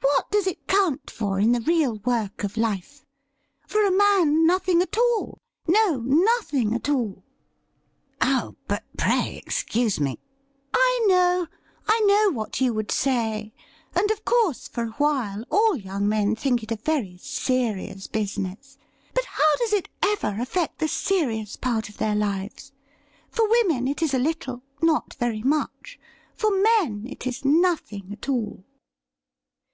' What does it count for in the real work of hfe ? For a man nothing at all — no, nothing at all.' 24 THE RIDDLE RING ' Oh ! but pray excuse me ' I know — I know what you would say, and, of course, for a while all young men think it a very serious business. But how does it ever affect the serious part of their lives ? For women it is a little — not very much ; for men it is nothing at all.'